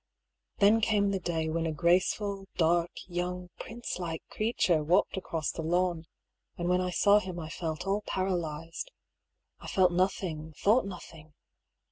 Then came the day, when a graceful, dark, young, prince like creature walked across the lawn, and when I saw him I felt all paralysed. I felt nothing, thought nothing.